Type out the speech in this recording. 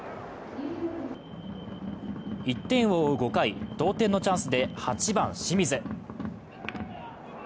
１点を追う５回、同点のチャンスで８番・清水。